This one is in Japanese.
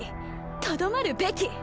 とどまるべき？